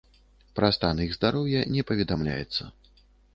Пра стан іх здароўя не паведамляецца.